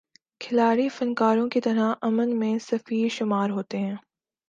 کھلاڑی فنکاروں کی طرح امن کے سفیر شمار ہوتے ہیں۔